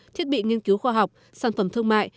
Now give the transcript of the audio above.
thiết bị nghiên cứu khoa học sản phẩm thương mại